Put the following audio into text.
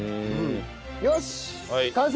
よし完成！